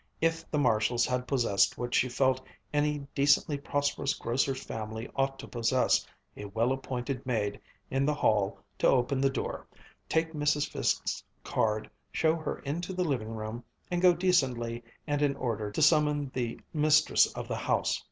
if the Marshalls had possessed what she felt any decently prosperous grocer's family ought to possess a well appointed maid in the hall to open the door, take Mrs. Fiske's card, show her into the living room, and go decently and in order to summon the mistress of the house.